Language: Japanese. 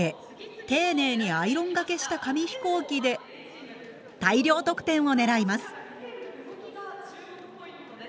丁寧にアイロンがけした紙飛行機で大量得点を狙います。